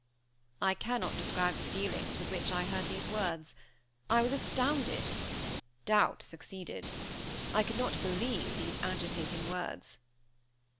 I cannot describe the feeling with which I heard these words. I was astounded. Doubt succeeded. I could not believe these agitating words.